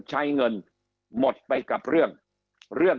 คำอภิปรายของสอสอพักเก้าไกลคนหนึ่ง